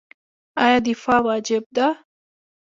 آیا دفاع واجب ده؟